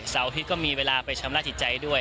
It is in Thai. อาทิตย์ก็มีเวลาไปชำระจิตใจด้วย